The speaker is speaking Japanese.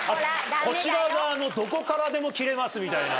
こちら側のどこからでもキレますみたいな。